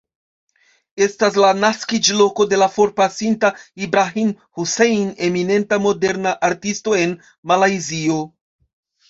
Estas la naskiĝloko de la forpasinta Ibrahim Hussein, eminenta moderna artisto en Malajzio.